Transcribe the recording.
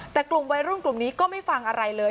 แต่กลุ่มวัยรุ่นกลุ่มนี้ก็ไม่ฟังอะไรเลย